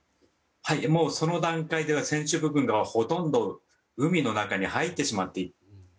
その段階では船首部分がほとんど海の中に入ってしまっている。